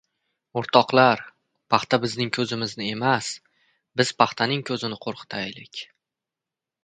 O‘rtoqlar, paxta bizning ko‘zimizni emas, biz paxtaning ko‘zini qo‘rqitaylik!